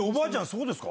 そうですか？